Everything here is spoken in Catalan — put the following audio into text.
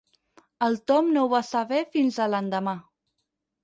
El Tom no ho va saber fins a l'endemà.